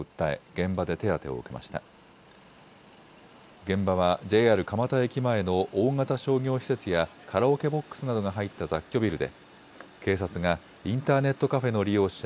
現場はＪＲ蒲田駅前の大型商業施設やカラオケボックスなどが入った雑居ビルで警察がインターネットカフェの利用者